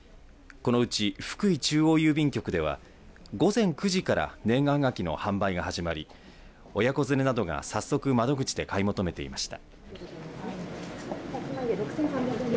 このうち、福井中央郵便局では午前９時から年賀はがきの販売が始まり親子連れなどが早速窓口で買い求めていました。